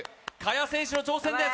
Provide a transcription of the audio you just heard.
萱選手の挑戦です